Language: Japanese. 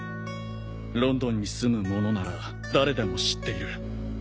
ロンドンに住むものなら誰でも知っている。